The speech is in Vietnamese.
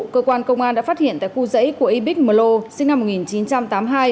cơ quan công an đã phát hiện tại khu dãy của ybiq mlo sinh năm một nghìn chín trăm tám mươi hai